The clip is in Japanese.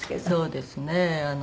そうですね。